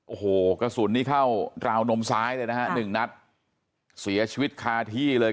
โอ้โหกระสุนนี่เข้าราวนมซ้ายเลยนะฮะหนึ่งนัดเสียชีวิตคาที่เลย